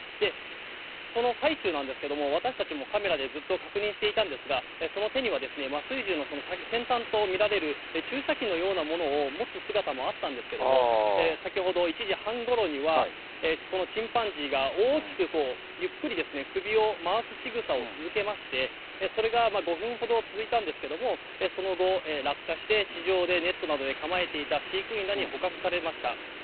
その最中なんですけれども、私たちもカメラでずっと確認していたんですが、その手にはですね、麻酔銃の先端と見られる注射器のようなものを持つ姿もあったんですけれども、先ほど、１時半ごろには、そのチンパンジーが大きく、ゆっくりですね、首を回すしぐさを続けまして、それが５分ほど続いたんですけれども、その後落下して、地上でネットなどで構えていた飼育員らに捕獲されました。